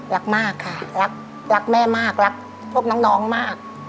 รักมากค่ะรักรักแม่มากรักพวกน้องมาก